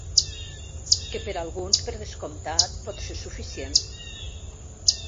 Que per a alguns, per descomptat, pot ser suficient.